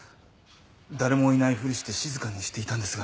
誰もいないふりして静かにしていたんですが。